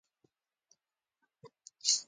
نورو بنسټونو کې بدلون راغی.